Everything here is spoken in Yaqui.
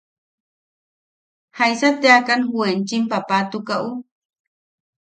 ¿Jaisa teakan ju enchim paapatukaʼu?